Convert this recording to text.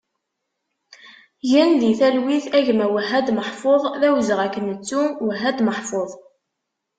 Gen di talwit a gma Wahad Meḥfouḍ, d awezɣi ad k-nettu! Wahad Meḥfouḍ